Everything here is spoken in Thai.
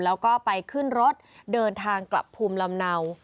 แล้วก็ไปขึ้นรถเดินทางกลับภูมิลำเนา